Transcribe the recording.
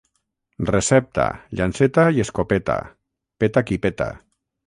Recepta, llanceta i escopeta, peta qui peta.